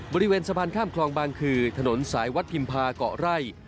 บริเวณสะพานข้ามคลองบางคือถนนสายวัดพิมพาเกาะไร่